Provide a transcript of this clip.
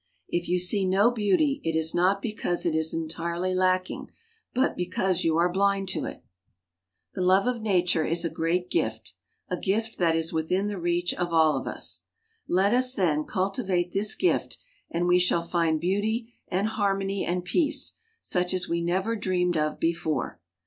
If you see no beauty it is not because it is entirely lacking, but because you are blind to it. The love of nature is a great gift, a gift that is within the reach of all of us. Let us, then, cultivate this gift, and we shall find beauty and harmony and peace, such as we never dreamed of before.